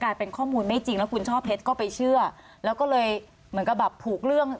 เป็นข้อมูลไม่จริงแล้วคุณช่อเพชรก็ไปเชื่อแล้วก็เลยเหมือนกับแบบผูกเรื่อง